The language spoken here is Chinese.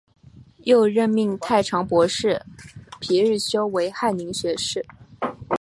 又任命太常博士皮日休为翰林学士。